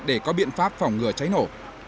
để có biện pháp phòng ngừa cháy nổ